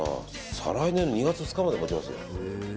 再来年の２月２日まで持ちますよ。